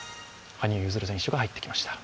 羽生結弦選手が入ってきました。